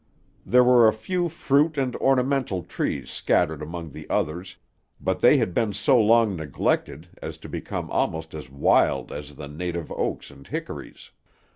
There were a few fruit and ornamental trees scattered among the others, but they had been so long neglected as to become almost as wild as the native oaks and hickories.